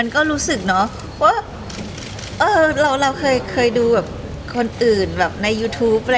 ก็รู้สึกว่าเราเคยดูในยูทูป